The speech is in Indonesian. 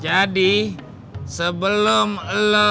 jadi sebelum lo